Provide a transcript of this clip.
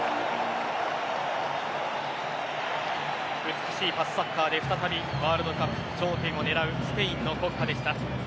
美しいパスサッカーで再びワールドカップ頂点を狙うスペインの国歌でした。